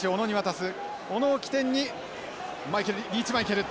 小野を起点にマイケルリーチマイケル！